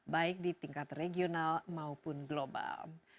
baik di tingkat regional maupun global